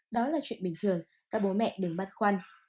đó là chuyện bình thường các bố mẹ đừng băn khoăn